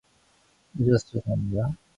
늦어서 죄송합니다.